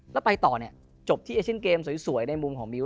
แล้วไปต่อเนี่ยจบที่เอเชียนเกมสวยในมุมของมิ้ว